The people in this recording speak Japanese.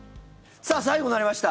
さあ、最後になりました。